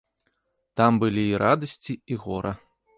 Там былі і радасці і гора.